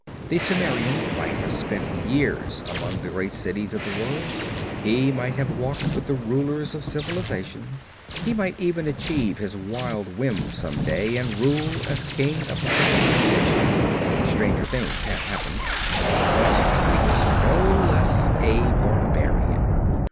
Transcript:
The Cimmerian might have spent years among the great cities of the world; he might have walked with the rulers of civilization; he might even achieve his wild whim some day and rule as king of a civilized nation; stranger things had happened. But he was no less a barbarian.